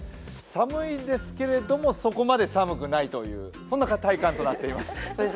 寒いですけれども、そこまで寒くないという、そんな体感となっております。